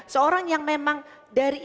seorang yang memang dari